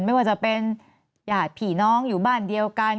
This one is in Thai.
ไม่ว่าจะเป็นญาติผีน้องอยู่บ้านเดียวกัน